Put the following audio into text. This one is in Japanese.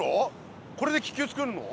これで気球つくるの？